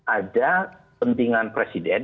ada pentingan presiden